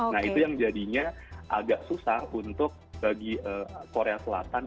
nah itu yang jadinya agak susah untuk bagi korea selatan